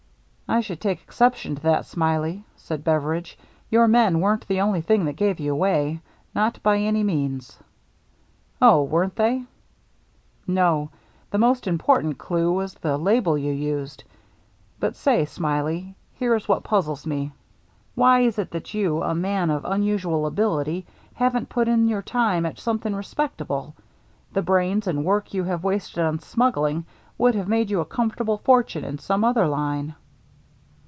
" I should take exception to that. Smiley," said Beveridge. "Your men weren't the only thing that gave you away, not by any means." " Oh, weren't they ?"" No, the most important clew was the label you used. But say. Smiley, here is what puz zles me. Why is it that you, a man of un usual ability, haven't put in your time at something respectable ? The brains and work you have wasted on smuggling would have made you a comfortable fortune in some other line."